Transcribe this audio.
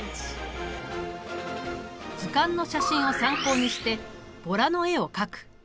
図鑑の写真を参考にしてボラの絵を描く。